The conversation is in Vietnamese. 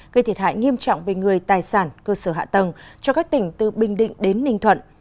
gây thiệt hại nghiêm trọng về người tài sản cơ sở hạ tầng cho các tỉnh từ bình định đến ninh thuận